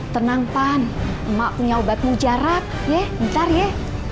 tenang pan emak punya obat mujarak ya bentar ya